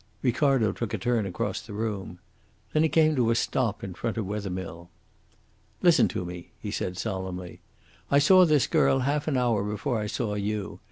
Ricardo took a turn across the room. Then he came to a stop in front of Wethermill. "Listen to me," he said solemnly. "I saw this girl half an hour before I saw you.